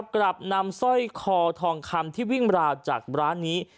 กลับนำสร้อยคอทองคำที่วิ่งราวจากร้านนี้